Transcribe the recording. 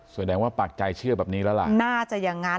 แสดงว่าปากใจเชื่อแบบนี้แล้วล่ะน่าจะอย่างนั้น